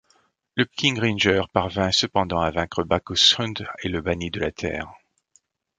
Le King Ranger parvint cependant à vaincre Bacchushund et le bannit de la Terre.